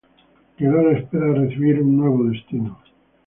Quedó a la espera de recibir un nuevo destino.